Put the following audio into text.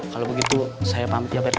kalau begitu saya pamit ya pak rt